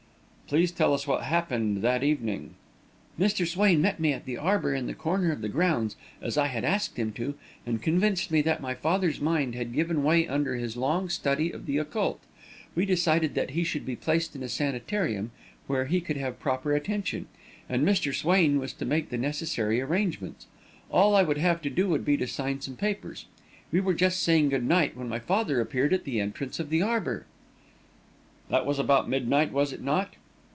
"Please tell us what happened that evening." "Mr. Swain met me at the arbour in the corner of the grounds, as I had asked him to, and convinced me that my father's mind had given way under his long study of the occult. We decided that he should be placed in a sanitarium where he could have proper attention, and Mr. Swain was to make the necessary arrangements. All I would have to do would be to sign some papers. We were just saying good night, when my father appeared at the entrance of the arbour." "This was about midnight, was it not?"